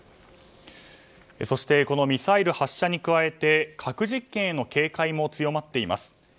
そしてミサイル発射に加えて核実験への警戒も強まっています。